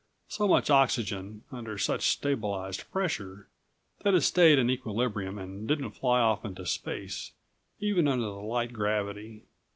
So much oxygen, under such stabilized pressure, that it stayed in equilibrium and didn't fly off into space even under the light gravity.